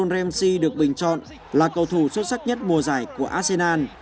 ramsey được bình chọn là cầu thủ xuất sắc nhất mùa giải của arsenal